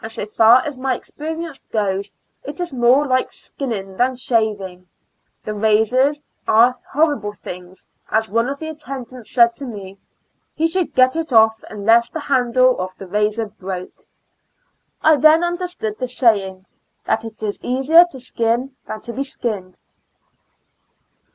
179 SO far as my experience goes, it is more like skinning than shaving; the razors are hor rible things, as one of the attendants said to me " he should get it off unless the handle of the razor broke." I then under stood the saying, " that it is easier to skin than to be skinned.